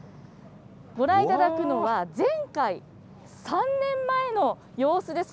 ご覧いただくのは、前回３年前の様子です。